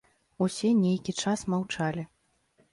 Усе нейкі час маўчалі.